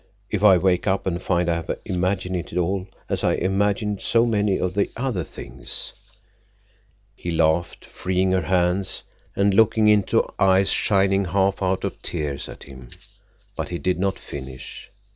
If I wake up and find I have imagined it all, as I imagined so many of the other things—" He laughed, freeing her hands and looking into eyes shining half out of tears at him. But he did not finish.